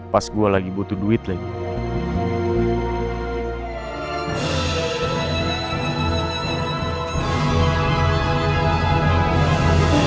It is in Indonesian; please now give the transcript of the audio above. pas gue lagi butuh duit lagi